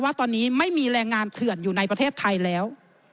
ว่าตอนนี้ไม่มีแรงงานเถื่อนอยู่ในประเทศไทยแล้ว